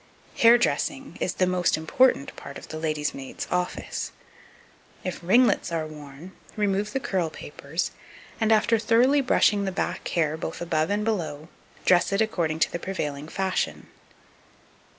2248. Hairdressing is the most important part of the lady's maid's office. If ringlets are worn, remove the curl papers, and, after thoroughly brushing the back hair both above and below, dress it according to the prevailing fashion.